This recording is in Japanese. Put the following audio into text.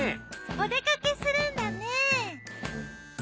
お出かけするんだね。